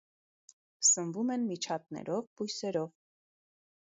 Սնվում են միջատներով բույսերով։